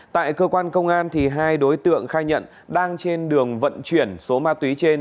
tại cơ quan công an hai đối tượng khai nhận đang trên đường vận chuyển số ma túy trên